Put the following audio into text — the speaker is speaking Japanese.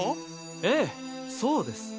ええそうです。